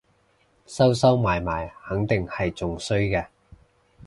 收收埋埋肯定係仲衰嘅